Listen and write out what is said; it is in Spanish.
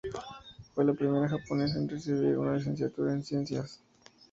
Fue la primera japonesa en recibir una Licenciatura en Ciencias.